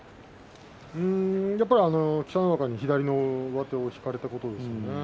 やはり北の若に左の上手を引かれたことですね。